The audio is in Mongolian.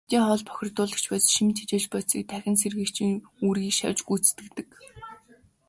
Амьтдын хоол, бохирдуулагч бодис, шим тэжээлт бодисыг дахин сэргээгчийн үүргийг шавж гүйцэтгэдэг.